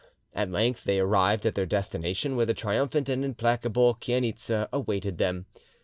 At length they arrived at their destination, where the triumphant and implacable Chainitza awaited them.